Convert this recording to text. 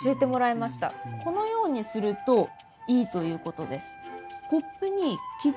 このようにするといいということです。